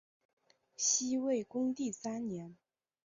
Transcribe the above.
西魏恭帝三年。